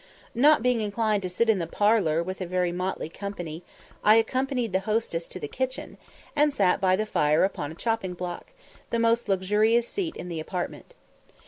Not being inclined to sit in the "parlour" with a very motley company, I accompanied the hostess into the kitchen, and sat by the fire upon a chopping block, the most luxurious seat in the apartment.